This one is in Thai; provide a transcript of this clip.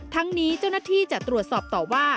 ทั้งนี้เจ้าหน้าที่จะตรวจสอบต่อว่า